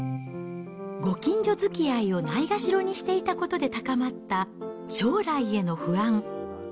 ご近所づきあいをないがしろにしていたことで高まった、将来への不安。